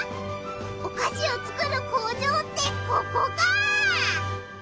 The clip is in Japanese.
おかしをつくる工場ってここか！